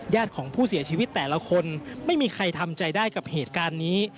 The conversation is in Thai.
ของผู้เสียชีวิตแต่ละคนไม่มีใครทำใจได้กับเหตุการณ์นี้